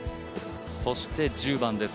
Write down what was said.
そして１０番です。